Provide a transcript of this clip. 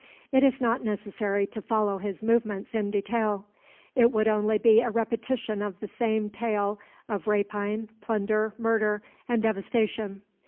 It is not necessary to follow his movements in detail. It would only be a repetition of the same tale of rapine, plunder, murder, and devastation.